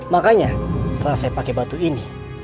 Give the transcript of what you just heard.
makanya setelah saya pakai batu ini